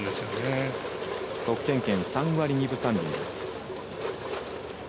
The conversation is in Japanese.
得点圏、３割２分３厘です。